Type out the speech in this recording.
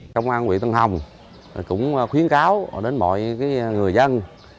công an quỹ tân hồng cũng khuyến cáo đến mọi người dân